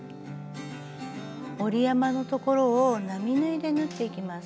折り山の所を並縫いで縫っていきます。